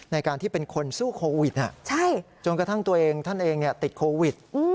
ในการที่เป็นคนสู้โควิดจนกระทั่งตัวเองท่านเองติดโควิด